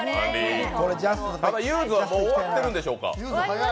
ゆーづはもう終わっているんでしょうか。